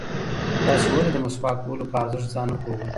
تاسې ولې د مسواک وهلو په ارزښت ځان نه پوهوئ؟